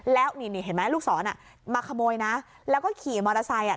แล้วนี่นี่เห็นไหมลูกศรอ่ะมาขโมยนะแล้วก็ขี่มอเตอร์ไซค์อ่ะ